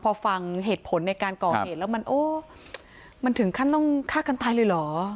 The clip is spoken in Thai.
พอฟังเหตุผลในการก่อเหตุแล้วมันโอ้มันถึงขั้นต้องฆ่ากันตายเลยเหรอ